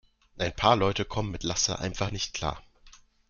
Ein paar Leute kommen mit Lasse einfach nicht klar.